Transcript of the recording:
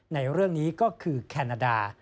ในเรื่องนี้ก็คือแคนาดา